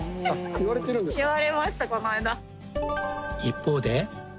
言われましたこの間。